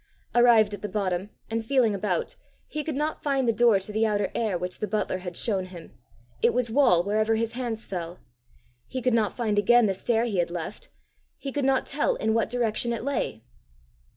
Arrived at the bottom, and feeling about, he could not find the door to the outer air which the butler had shown him; it was wall wherever his hands felt. He could not find again the stair he had left; he could not tell in what direction it lay.